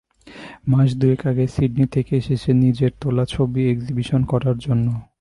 মাস দুয়েক আগে সিডনি থেকে এসেছে নিজের তোলা ছবির এক্সিবিশন করার জন্য।